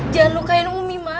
jangan lukain umi ma